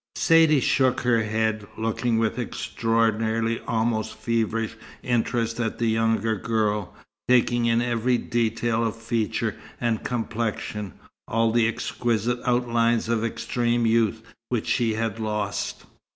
Saidee shook her head, looking with extraordinary, almost feverish, interest at the younger girl, taking in every detail of feature and complexion, all the exquisite outlines of extreme youth, which she had lost.